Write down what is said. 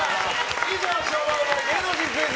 以上、昭和生まれ芸能人クイズ！